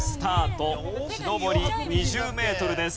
木登り２０メートルです。